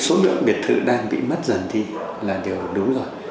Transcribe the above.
số lượng biệt thự đang bị mất dần thì là điều đúng rồi